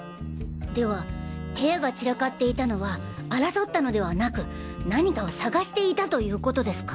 では部屋が散らかっていたのは争ったのではなく何かを探していたということですか？